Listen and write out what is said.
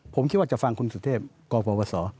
ผมคิดว่าจะฟังคุณสุทธิพธ์กรปวส